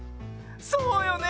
そうよね。